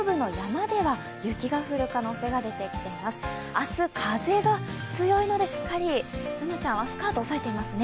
明日、風が強いのでしっかりＢｏｏｎａちゃんはスカートを押さえていますね。